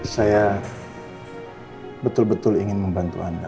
saya betul betul ingin membantu anda